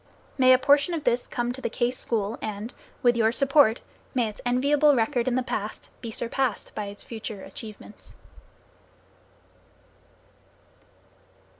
May a portion of this come to the Case School and, with your support, may its enviable record, in the past, be surpassed by its future achievements.